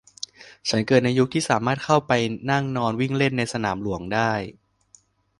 ฉันเกิดในยุคที่สามารถเข้าไปนั่งนอนวิ่งเล่นในสนามหลวงได้